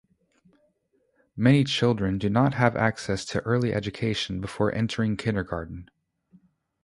Many children do not have access to early education before entering kindergarten.